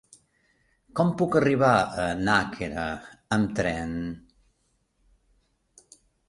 Com puc arribar a Nàquera amb tren?